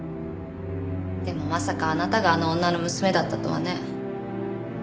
でもまさかあなたがあの女の娘だったとはね。